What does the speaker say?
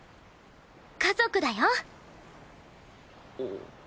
家族だよ。